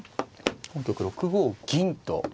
本局６五銀と。